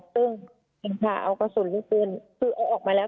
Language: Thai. ซึ่งมันพาเอากระสุนและปืนคือเอาออกมาแล้ว